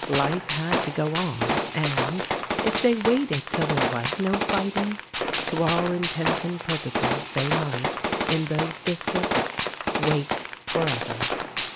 Life had to go on and, if they waited till there was no fighting, to all intents and purposes they might, in those districts, wait for ever.